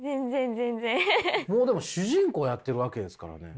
もうでも主人公をやってるわけですからね。